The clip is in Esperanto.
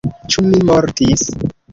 Ĉu mi mortis?